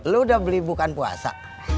lo udah beli bukan puasa